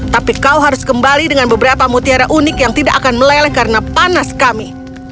tapi kau harus kembali dengan beberapa mutiara unik yang tidak akan meleleh karena panas kami